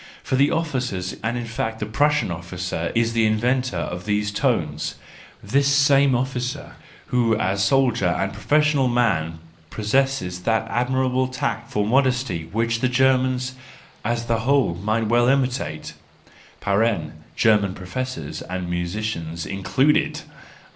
For the officer, and in fact the Prussian officer is the inventor of these tones: this same officer, who, as soldier and professional man pos¬ sesses that admirable tact for modesty which the Germans as a whole might well imitate (German professors and musicians included !).